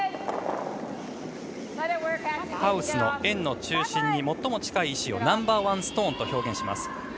ハウスの円の中心に最も近い石をナンバーワンと表現します。